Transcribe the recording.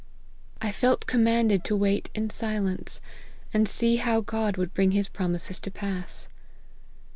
I felt commanded to wait in silence, and see how God would bring his promises to pass.